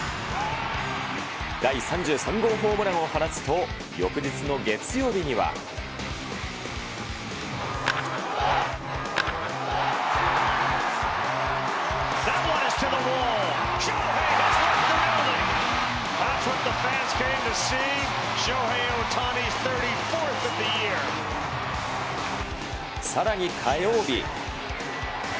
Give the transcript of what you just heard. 第３３号ホームランを放つと、翌日の月曜日には。さらに火曜日。